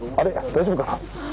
大丈夫かな？